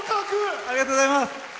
ありがとうございます。